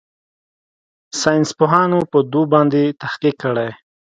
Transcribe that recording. ساينسپوهانو په دو باندې تحقيق کړى.